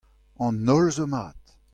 An holl zo mat.